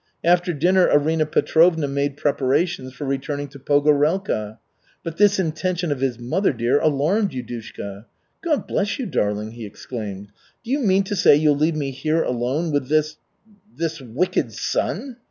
After dinner Arina Petrovna made preparations for returning to Pogorelka. But this intention of his "mother dear" alarmed Yudushka. "God bless you, darling!" he exclaimed. "Do you mean to say you'll leave me here alone with this this wicked son?